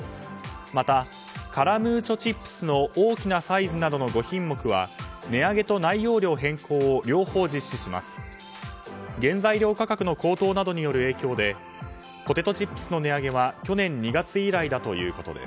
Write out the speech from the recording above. また、カラムーチョチップスの大きなサイズなどの５品目は、値上げと内容量変更の両方実施します。